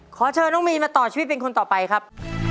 ขอเชิญน้องมีนมาต่อชีวิตเป็นคนต่อไปครับ